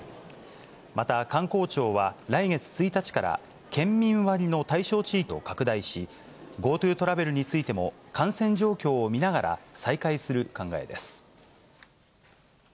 また、観光庁は来月１日から、県民割の対象地域を拡大し、ＧｏＴｏトラベルについても感染状況を見ながら、再開する考えです。